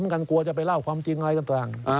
มันกันกลัวจะไปเล่าความจริงอะไรกันต่าง